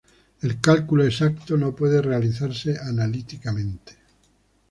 El cálculo exacto no puede realizarse analíticamente.